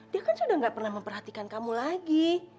dia kan sudah tidak pernah memperhatikan kamu lagi